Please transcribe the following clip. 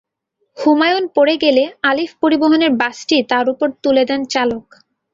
হুমায়ুন পড়ে গেলে আলিফ পরিবহনের বাসটি তাঁর ওপর তুলে দেন চালক।